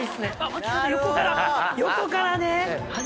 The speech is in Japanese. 巻き方横から横からね。